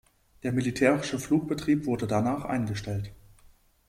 Der militärische Flugbetrieb wurde danach eingestellt.